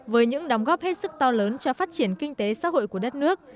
với những đóng góp hết sức to lớn cho phát triển kinh tế xã hội của đất nước